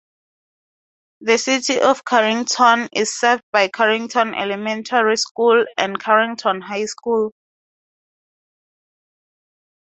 The city of Carrington is served by Carrington Elementary School and Carrington High School.